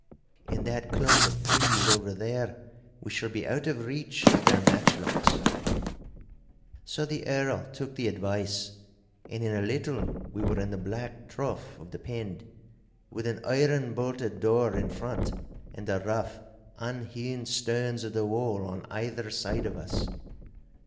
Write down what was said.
In that clump of trees over there we shall be out of reach of their matchlocks.' So the Earl took the advice, and in a little we were in the black trough of the pend, with an iron bolted door in front and the rough, unhewn stones of the wall on either side of us.